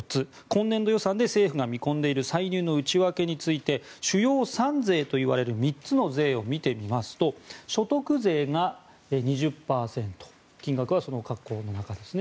今年度予算で政府が見込んでいる歳入の内訳について主要３税といわれる３つの税を見てみますと所得税が２０％金額は各項目の中です。